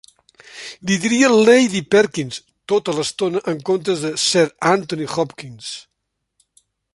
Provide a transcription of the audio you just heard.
Li diria "Lady Perkins" tota l'estona en comptes de "Sir Anthony Hopkins".